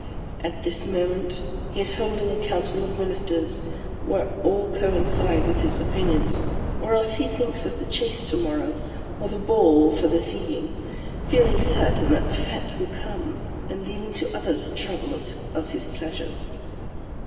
At this moment he is holding a Council of Ministers, where all coincide with his opinions ; or else he thinks of the Chase to morrow, or the Ball for this evening, feeling certain that the Fete will come, and leaving to others the trouble of his pleasures.